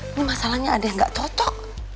ini masalahnya ada yang nggak cocok